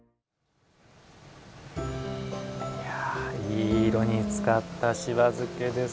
いい色に使ったしば漬けです。